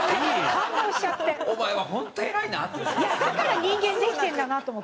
いやだから人間できてんだなと思って。